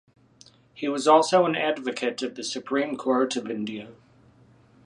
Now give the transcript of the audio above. He was also an advocate at the Supreme Court of India.